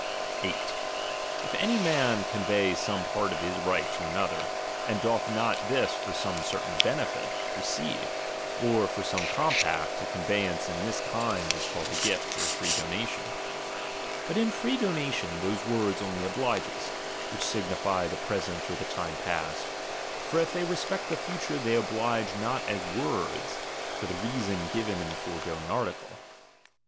8. If any man convey some part of his right to i" mother, and doth not this for some certain benefit of received, or for some compact, a conveyance in "' this kind is called a gift or free donation. But in free donation, those words only oblige us, which sig nify the present or the time past ; for if they re spect the future, they oblige not as words, for the reason given in the foregoing article.